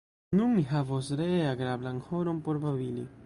Nun ni havos ree agrablan horon por babili.